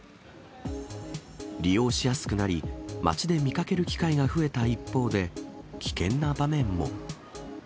利用しやすくなり、街で見かける機会が増えた一方で、危険な場面も。